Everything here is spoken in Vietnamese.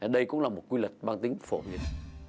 đây cũng là một quy luật mang tính phổ biến